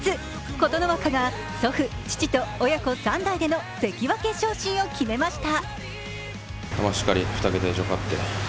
琴ノ若が祖父、父と親子三代での関脇昇進を決めました。